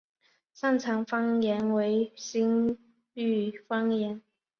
擅长方言为新舄方言。